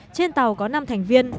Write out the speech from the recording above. trên tàu có năm thành viên